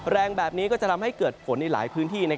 แรงแบบนี้ก็จะทำให้เกิดฝนในหลายพื้นที่